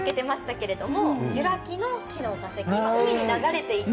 ジュラ紀の木の化石海に流れていた。